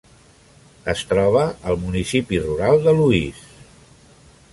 Es troba al municipi rural de Louise.